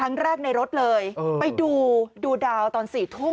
นั้นแรกในรถเลยเออไปดูดูดาวตอนสี่ทุ่ม